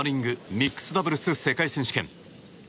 ミックスダブルス世界選手権。